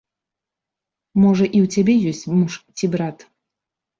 Можа і ў цябе ёсць муж ці брат.